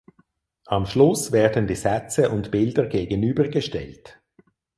Am Schluss werden die Sätze und Bilder gegenübergestellt.